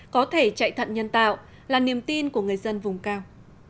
có thể chạy thận nhân tạo là niềm tin của người dân vùng cao